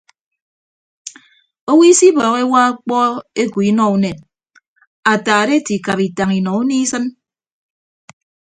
Owo isibọọhọ ewa okpọ eku inọ unen ataat ete ikap itañ inọ unie isịn.